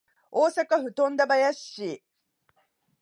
大阪府富田林市